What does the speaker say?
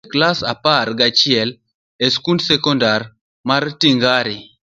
Ne adhi e klas apar gachiel e skund sekondar mar Tingare.